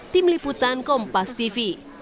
tim liputan kompas tv